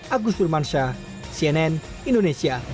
agus wilmansyah cnn